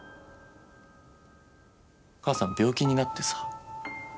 母さん病気になってさ。